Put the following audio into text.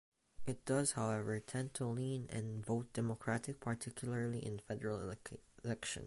It does however, tend to lean and vote Democratic particularly in federal elections.